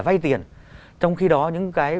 vay tiền trong khi đó những cái